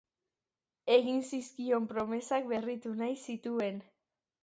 egin zizkion promesak berritu nahi zituen.